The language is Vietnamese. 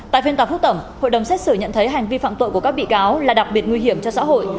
tại phiên tòa phúc thẩm hội đồng xét xử nhận thấy hành vi phạm tội của các bị cáo là đặc biệt nguy hiểm cho xã hội